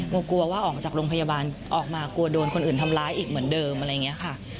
กลัวว่าออกจากโรงพยาบาลออกมากลัวโดนคนอื่นทำร้ายอีกเหมือนเดิมอะไรอย่างนี้ค่ะ